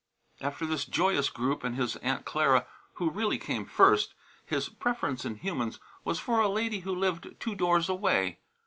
After this joyous group and his Aunt Clara, who really came first, his preference in humans was for a lady who lived two doors away.